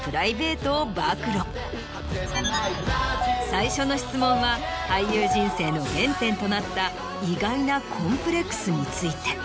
最初の質問は俳優人生の原点となった意外なコンプレックスについて。